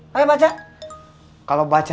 main lagi ya